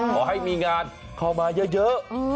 ขอให้มีงานเข้ามาเยอะ